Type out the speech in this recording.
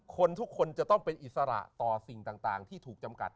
คนทุกคนจะต้องเป็นอิสระต่อสิ่งต่างที่ถูกจำกัด